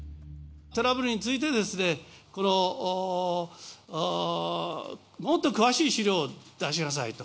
トラブルについて、もっと詳しい資料を出しなさいと。